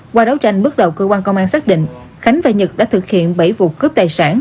qua đấu tranh bước đầu cơ quan công an xác định khánh và nhật đã thực hiện bảy vụ cướp tài sản